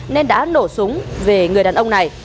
nên đã nổ súng về người đàn ông này